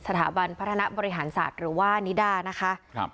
สถาบันพัฒนาบริหารศาสตร์หรือว่านิดานะคะครับ